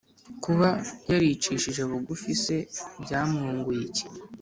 Kuba yaricishije bugufi se, byamwunguye iki